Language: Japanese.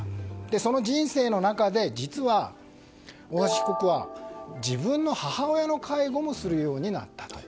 その人生の中で実は、大橋被告は自分の母親の介護もするようになったと。